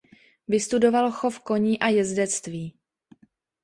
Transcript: Vystudoval chov koní a jezdectví.